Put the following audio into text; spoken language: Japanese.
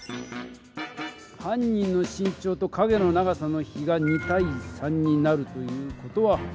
犯人の身長と影の長さの比が２対３になるという事はこうだ！